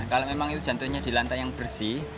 kalau memang itu jantungnya di lantai yang bersih